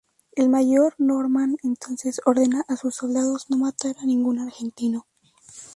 El mayor Norman entonces ordena a sus soldados no matar a ningún argentino.